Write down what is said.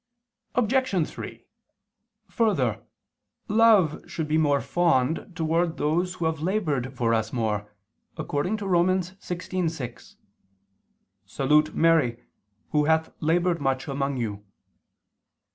Obj. 3: Further, love should be more fond towards those who have labored for us more, according to Rom. 16:6: "Salute Mary, who hath labored much among you."